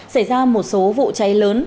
xảy ra một số vụ cháy lớn